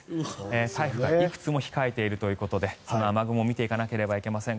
台風がいくつも控えているということでその雨雲を見ていかなければなりません。